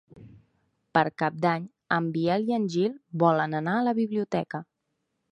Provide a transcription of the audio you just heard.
Per Cap d'Any en Biel i en Gil volen anar a la biblioteca.